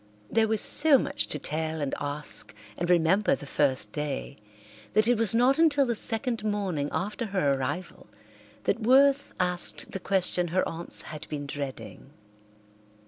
There was so much to tell and ask and remember the first day that it was not until the second morning after her arrival that Worth asked the question her aunts had been dreading.